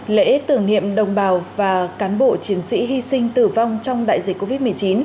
lễ tưởng niệm đồng bào và cán bộ chiến sĩ hy sinh tử vong trong đại dịch covid một mươi chín